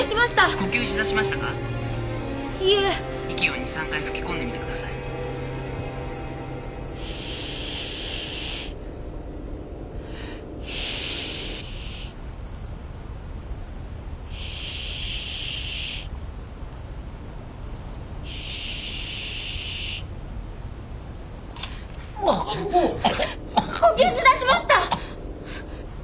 呼吸しだしました！